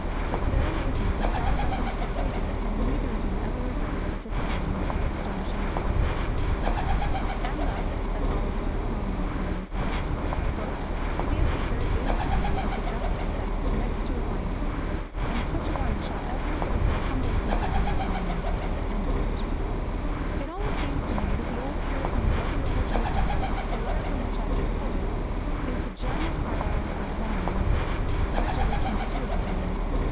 But, to their amazement, the star led them to the Saviour, and neither of them ever regretted participating in so astonishing a quest. 'And thus,' as Oliver Cromwell finely says, 'to be a seeker is to be of the best sect next to a finder, and such an one shall every faithful humble seeker be at the end.' It always seems to me that the old Puritan's lovely letter to his daughter, the letter from which I have just quoted, is the gem of Carlyle's great volume. Bridget was twenty two at the time.